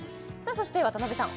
そして渡辺さん